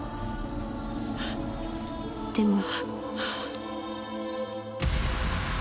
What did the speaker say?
「でも」。